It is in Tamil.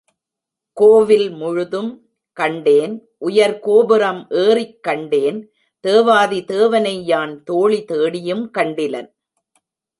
கோவில் முழுதும் கண்டேன் உயர் கோபுரம் ஏறிக் கண்டேன் தேவாதி தேவனை யான் தோழி தேடியும் கண்டிலனே.